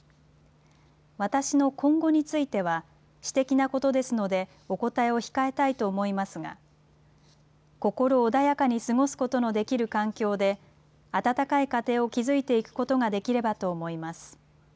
私の今後については、私的なことですので、お答えを控えたいと思いますが、心穏やかに過ごすことのできる環境で、温かい家庭を築いていくことができればと思います。